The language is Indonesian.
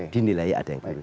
dinilai ada yang perlu